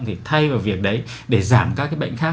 thì thay vào việc đấy để giảm các cái bệnh khác